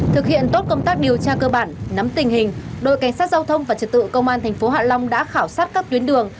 thực hiện tốt công tác điều tra cơ bản nắm tình hình đội cảnh sát giao thông và trật tự công an tp hạ long đã khảo sát các tuyến đường